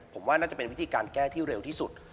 ผมว่าน่าจะเป็นวิธีการแก้ที่เร็วที่สุด